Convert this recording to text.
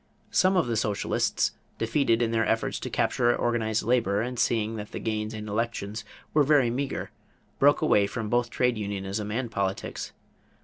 = Some of the socialists, defeated in their efforts to capture organized labor and seeing that the gains in elections were very meager, broke away from both trade unionism and politics.